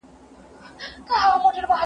هغه وويل چي ځواب سم دی؟!